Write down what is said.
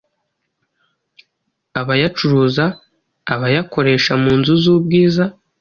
abayacuruza, abayakoresha mu nzu z’ ubwiza